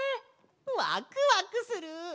ワクワクする！